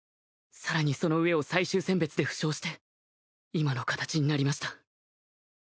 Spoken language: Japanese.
さらにその上を最終選別で負傷して今の形になりました